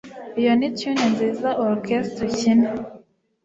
Iyo ni tune nziza orchestre ikina.